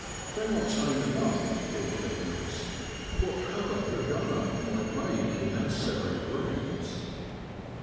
They are tame enough, poor things ; what havoc a gunner might make in their serried ranks!